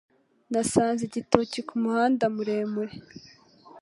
Nasanze igitoki kumuhanda muremure.